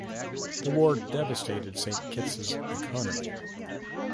The war devastated Saint Kitts's economy.